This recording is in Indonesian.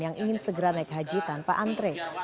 yang ingin segera naik haji tanpa antre